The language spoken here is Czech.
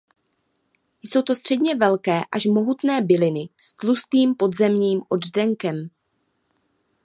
Jsou to středně velké až mohutné byliny s tlustým podzemním oddenkem.